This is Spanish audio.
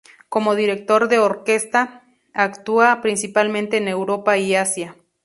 Como director de orquesta actúa principalmente en Europa y Asia.